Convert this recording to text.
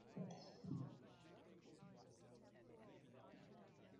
He loses his Christian faith.